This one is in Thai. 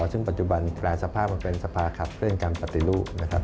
ซึ่งปัจจุบันแปลสภาพมันเป็นสภาครัฐเล่นการปฏิลูก